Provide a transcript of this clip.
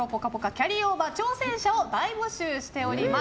キャリーオーバーの挑戦者を大募集しております。